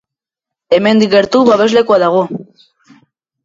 Hemendik gertu babeslekua dago.